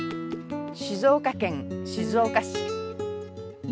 静岡県静岡市。